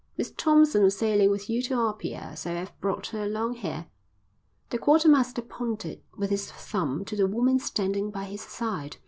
"Miss Thompson was sailing with you to Apia, so I've brought her along here." The quartermaster pointed with his thumb to the woman standing by his side.